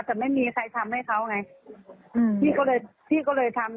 แต่ไม่มีใครทำให้เขาไงอืมพี่ก็เลยพี่ก็เลยทำ